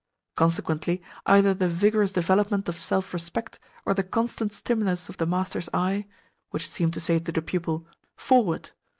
Consequently, either the vigorous development of self respect or the constant stimulus of the master's eye (which seemed to say to the pupil, "Forward!"